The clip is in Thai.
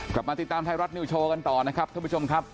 กลับมาติดตามไทยรัฐนิวโชว์กันต่อนะครับท่านผู้ชมครับ